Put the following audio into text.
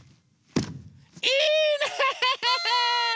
いいね！